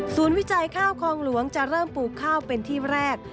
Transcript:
วิจัยข้าวคลองหลวงจะเริ่มปลูกข้าวเป็นที่แรก